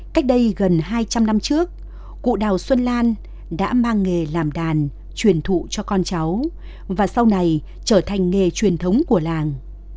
cách đây gần hai trăm linh năm trước cụ đào xuân lan đã mang nghề làm đàn truyền thụ cho con cháu và sau này trở thành nghề truyền thống của làng